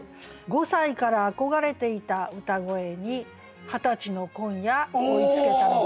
「五歳から憧れていた歌声に二十歳の今夜追いつけたのかな」。